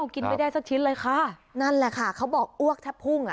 กินไม่ได้สักชิ้นเลยค่ะนั่นแหละค่ะเขาบอกอ้วกแทบพุ่งอ่ะ